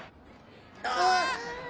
あっ。